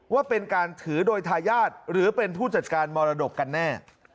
ว่าเป็นการถือโดยทายาทหรือเป็นผู้จัดการมรดกกันแน่